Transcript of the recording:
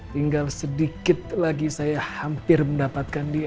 tinggal sedikit lagi saya hampir mendapatkan dia